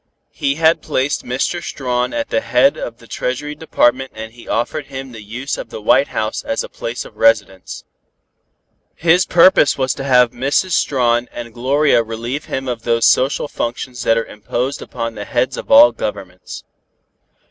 He had placed Mr. Strawn at the head of the Treasury Department and he offered him the use of the White House as a place of residence. His purpose was to have Mrs. Strawn and Gloria relieve him of those social functions that are imposed upon the heads of all Governments.